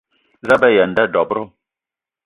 Za a be aya a nda dob-ro?